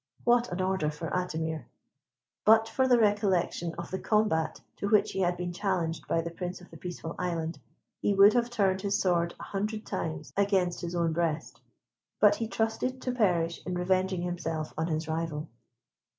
What an order for Atimir! But for the recollection of the combat to which he had been challenged by the Prince of the Peaceful Island, he would have turned his sword an hundred times against his own breast; but he trusted to perish in revenging himself on his rival.